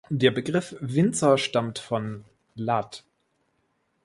Der Begriff Winzer stammt von lat.